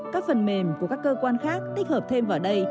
các phần mềm của các cơ quan khác tích hợp thêm vào đây